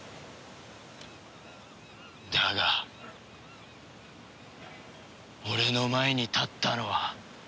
だが俺の前に立ったのは。